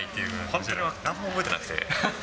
本当になんも覚えてなくて。